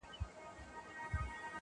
کله نا کله به راتلل ورته د ښار مېلمانه-